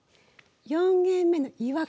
「４限目の違和感」。